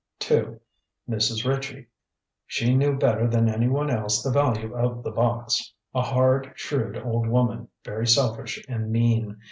"2. Mrs. Ritchie. She knew better than anyone else the value of the box. A hard, shrewd old woman, very selfish and mean.